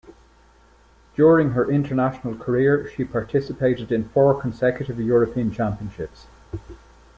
During her international career, she participated in four consecutive European Championships.